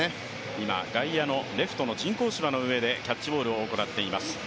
今、外野のレフトの人工芝のうえでキャッチボールを行っています。